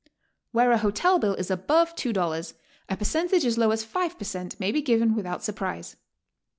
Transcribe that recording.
Where a hotel bill is above $2, a percentage as low as five per cent, may be given without surprise.